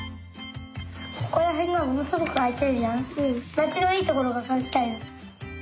まちのいいところがかきたいの。